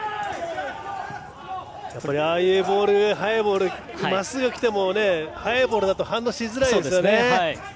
ああいう速いボールまっすぐがきても速いボールだと反応しづらいですよね。